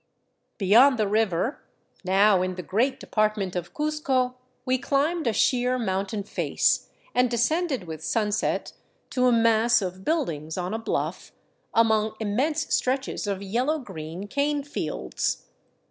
Beyond the river, now in the great department of Cuzco, we climbed a sheer mountain face, and descended with sunset to a mass of build ings on a bluff, among immense stretches of yellow green canefields.